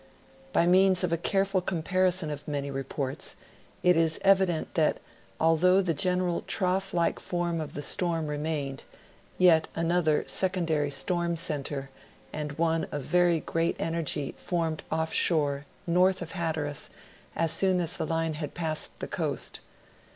By means of a careful comparison of many reports, it is evident that although the general trough like form of the storm remained, yet another secondary storm center, and one of very great energy, formed off shore, north of Hatteras, as soon as the line had passed the coast.